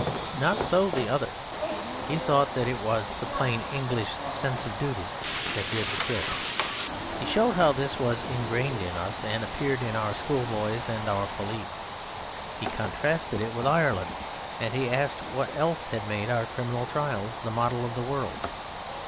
Not so the other: he thought that it was the Plain English sense of Duty that did the trick: he showed how this was ingrained in us and appeared in our Schoolboys and our Police: he contrasted it with Ireland, and he asked what else had made our Criminal Trials the model of the world?